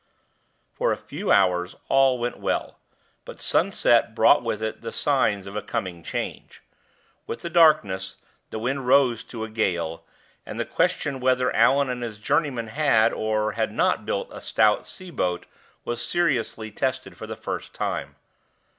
For a few hours all went well; but sunset brought with it the signs of a coming change. With the darkness the wind rose to a gale, and the question whether Allan and his journeymen had or had not built a stout sea boat was seriously tested for the first time.